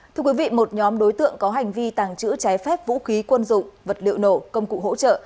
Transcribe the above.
thưa quý vị một nhóm đối tượng có hành vi tàng trữ trái phép vũ khí quân dụng vật liệu nổ công cụ hỗ trợ